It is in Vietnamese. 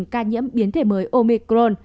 ca nhiễm biến thể mới omicron